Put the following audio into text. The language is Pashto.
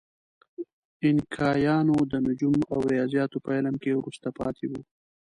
اینکایانو د نجوم او ریاضیاتو په علم کې وروسته پاتې وو.